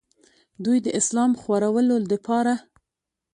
دوي د اسلام خورولو دپاره